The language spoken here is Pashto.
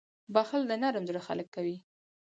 • بښل د نرم زړه خلک کوي.